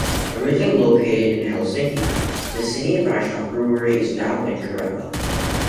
Originally located in Helsinki, the Sinebrychoff brewery is now in Kerava.